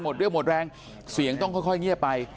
เรี่ยวหมดแรงเสียงต้องค่อยเงียบไป